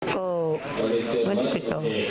ก็ไม่ได้ติดตรง